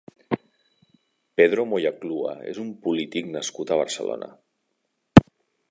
Pedro Moya Clua és un polític nascut a Barcelona.